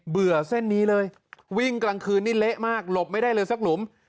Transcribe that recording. เบื่อเส้นนี้เลยวิ่งกลางคืนนี่เละมากหลบไม่ได้เลยสักหลุม